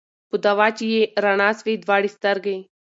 په دوا چي یې رڼا سوې دواړي سترګي